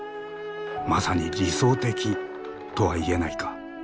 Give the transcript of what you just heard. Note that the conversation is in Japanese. まさに理想的とは言えないか。